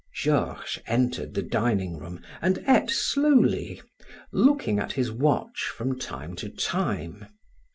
Georges entered the dining room and ate slowly, looking at his watch from time to time.